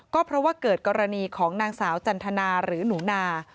ก็เพราะว่าเกิดกรณีของนางสาวจันทนาหรือหนูนา